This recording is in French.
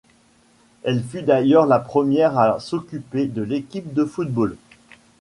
Elle fut d'ailleurs la première à s'occuper de l'équipe de football.